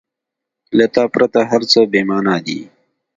• له تا پرته هر څه بېمانا دي.